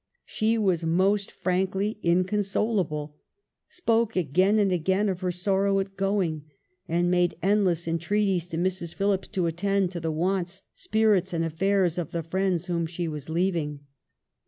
She was most frankly inconsolable, spoke again and again of her sorrow at going, and made endless entreat ies to Mrs. Phillips to attend to the wants, spirits and affairs of the friends whom she was leaving.